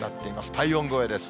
体温超えです。